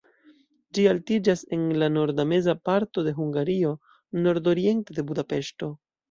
Ĝi altiĝas en la norda-meza parto de Hungario, nordoriente de Budapeŝto.